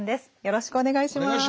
よろしくお願いします。